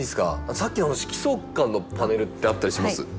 さっきの色相環のパネルってあったりします？